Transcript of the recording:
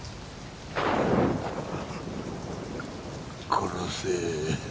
殺せ。